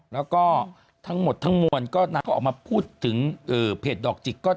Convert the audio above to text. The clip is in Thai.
แล้วก็ทั้งหมดทั้งมวลก็นางก็ออกมาพูดถึงเพจดอกจิก